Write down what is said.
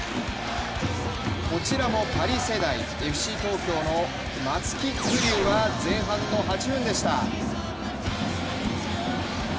こちらもパリ世代、ＦＣ東京の松木玖生は前半の８分でした。